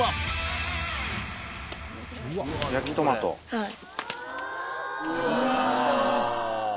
はい。